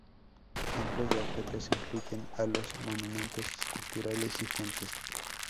Ejemplos de objetos incluyen, a los monumentos, esculturas y fuentes.